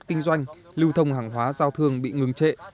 kinh doanh lưu thông hàng hóa giao thương bị ngừng trệ